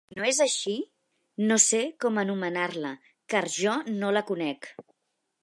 Si no és així, no sé com anomenar-la; car jo no la conec